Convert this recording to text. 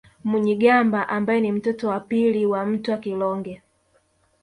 Munyigumba ambaye ni mtoto wa pili wa Mtwa Kilonge